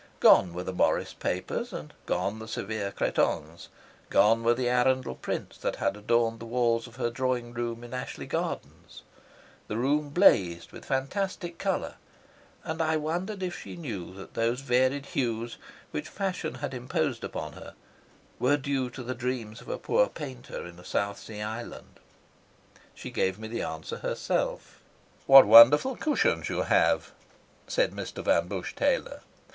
Gone were the Morris papers and gone the severe cretonnes, gone were the Arundel prints that had adorned the walls of her drawing room in Ashley Gardens; the room blazed with fantastic colour, and I wondered if she knew that those varied hues, which fashion had imposed upon her, were due to the dreams of a poor painter in a South Sea island. She gave me the answer herself. "What wonderful cushions you have," said Mr. Van Busche Taylor.